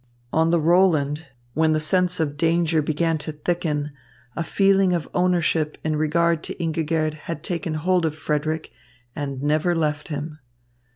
On the Roland, when the sense of danger began to thicken, a feeling of ownership in regard to Ingigerd had taken hold of Frederick and never left him.